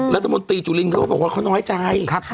รัฐมนตรีจุลินเขาก็บอกว่าเขาน้อยใจ